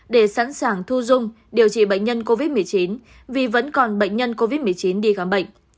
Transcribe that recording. để sẵn sàng thu dung điều trị bệnh nhân covid một mươi chín vì vẫn còn bệnh nhân covid một mươi chín đi khám bệnh